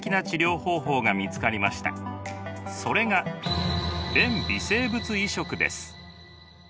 それが便微生物移植です。